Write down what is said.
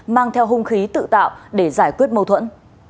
mang theo hung khí tự tạo để giải quyết mâu thuẫn